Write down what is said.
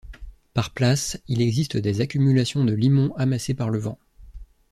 Par place, il existe des accumulations de limon amassé par le vent.